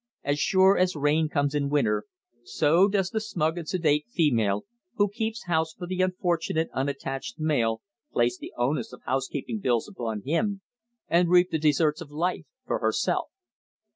As sure as rain comes in winter, so does the smug and sedate female who keeps house for the unfortunate unattached male place the onus of housekeeping bills upon him and reap the desserts of life for herself.